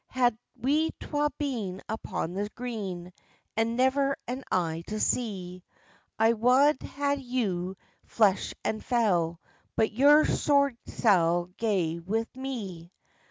"Had we twa been upon the green, And never an eye to see, I wad hae had you, flesh and fell; But your sword sall gae wi' mee."